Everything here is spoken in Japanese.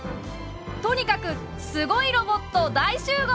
とにかくすごいロボット大集合！